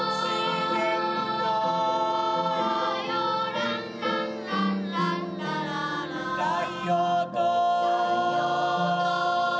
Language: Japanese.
「ランランランランララーラー」